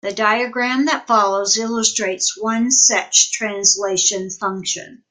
The diagram that follows illustrates one such translation function.